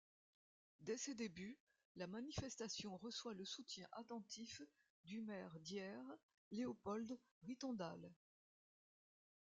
Dès ses débuts, la manifestation reçoit le soutien attentif du maire d'Hyères Léopold Ritondale.